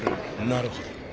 なるほど。